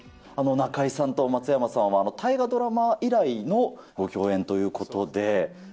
中井さんと松山さんは大河ドラマ以来のご共演ということで。